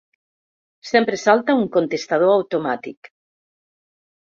Sempre salta un contestador automàtic.